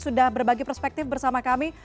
sudah berbagi perspektif bersama kami